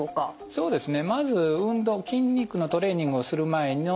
そうですね